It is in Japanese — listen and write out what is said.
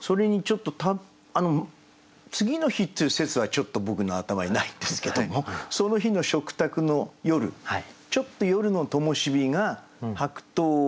それにちょっと次の日っていう説はちょっと僕の頭にないんですけどもその日の食卓の夜ちょっと夜のともしびが白桃をちょっとそれてる。